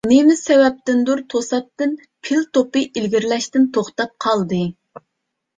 نېمە سەۋەبتىندۇر، توساتتىن پىل توپى ئىلگىرىلەشتىن توختاپ قالدى.